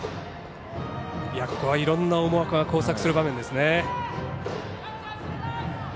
ここはいろんな思惑が交錯する場面ですね。